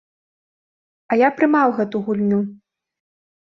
А я прымаў гэту гульню.